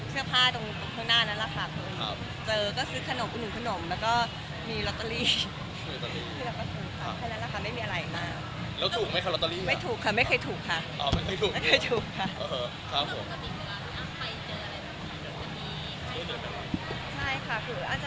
เห็นนะฮะคุณยังจำได้ล่ะค่ะว่ำันเกิดอะไรขึ้นล่ะ